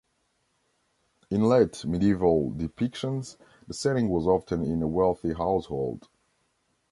In late medieval depictions the setting was often in a wealthy household.